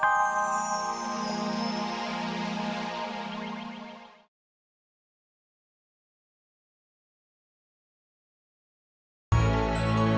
tidak ada yang bisa dianggap sebagai pembawa